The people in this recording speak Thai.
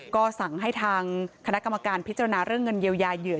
ก็สั่งให้ทางคณะกรรมการพิจารณาเรื่องเงินเยียวยาเหยื่อ